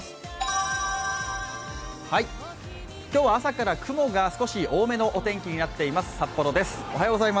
今日は朝から雲が少し多めのお天気となっています、札幌です。